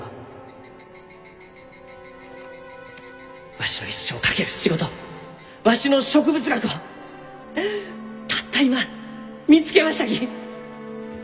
わしの一生を懸ける仕事わしの植物学をたった今見つけましたき！